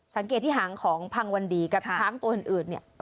สังเกตที่หางของพังวันดีกับช้างตัวอื่นเนี่ย